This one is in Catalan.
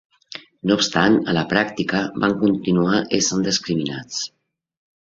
No obstant, a la pràctica, van continuar essent discriminats.